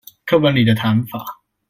課本裡的談法